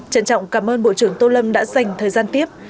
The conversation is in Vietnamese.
trân trọng cảm ơn bộ trưởng tô lâm đã dành thời gian tiếp